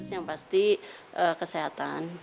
yang pasti kesehatan